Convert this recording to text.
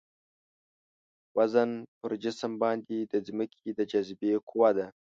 وزن پر جسم باندې د ځمکې د جاذبې قوه ده.